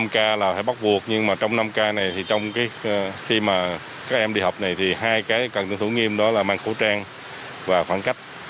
năm k là phải bắt buộc nhưng mà trong năm k này thì khi mà các em đi học này thì hai cái cần thử nghiêm đó là mang khẩu trang và khoảng cách